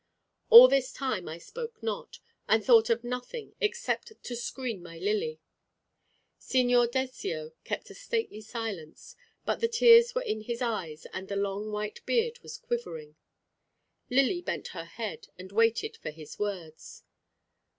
All this time, I spoke not, and thought of nothing except to screen my Lily. Signor Dezio kept a stately silence, but the tears were in his eyes, and the long white beard was quivering. Lily bent her head, and waited for his words.